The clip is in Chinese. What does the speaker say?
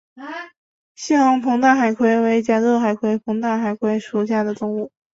猩红膨大海葵为甲胄海葵科膨大海葵属的动物。